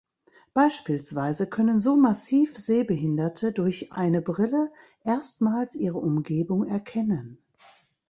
Beispielsweise können so massiv Sehbehinderte durch eine Brille erstmals ihre Umgebung erkennen.